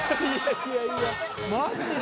いやいやマジで？